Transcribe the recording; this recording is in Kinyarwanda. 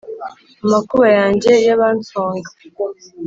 Amakuba yanjye y'abansonga